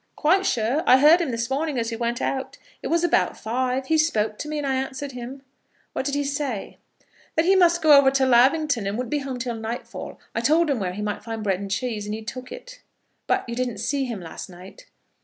"Quite sure. I heard him this morning as he went out. It was about five. He spoke to me, and I answered him." "What did he say?" "That he must go over to Lavington, and wouldn't be home till nightfall. I told him where he would find bread and cheese, and he took it." "But you didn't see him last night?"